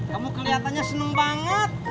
kamu kelihatannya seneng banget